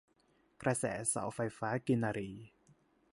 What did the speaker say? กระแสเสาไฟฟ้ากินรี